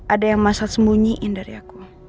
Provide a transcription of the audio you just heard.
ada yang masak sembunyiin dari aku